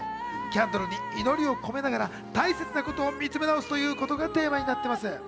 キャンドルに祈りを込めながら、大切なことを見つめ直すということがテーマになっています。